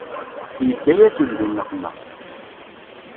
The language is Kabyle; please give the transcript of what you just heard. Yedda-yasen di nneqma.